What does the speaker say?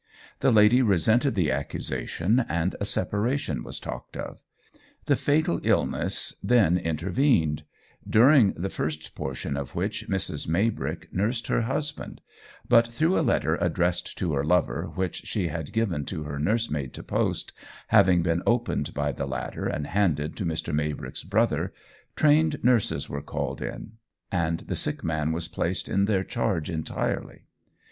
The lady resented the accusation, and a separation was talked of. The fatal illness then intervened, during the first portion of which Mrs. Maybrick nursed her husband; but through a letter addressed to her lover, which she had given to her nursemaid to post, having been opened by the latter and handed to Mr. Maybrick's brother, trained nurses were called in, and the sick man was placed in their charge entirely.